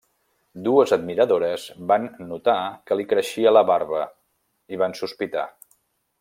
Dues admiradores van notar que li creixia la barba i van sospitar.